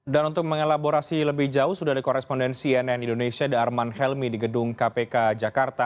dan untuk mengelaborasi lebih jauh sudah dikorespondensi cnn indonesia di arman helmi di gedung kpk jakarta